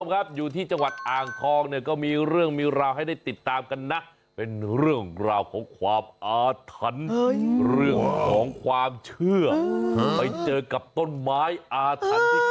ครับอยู่ที่จังหวัดอ่างทองเนี่ยก็มีเรื่องมีราวให้ได้ติดตามกันนะเป็นเรื่องราวของความอาถรรพ์เรื่องของความเชื่อไปเจอกับต้นไม้อาถรรพ์ที่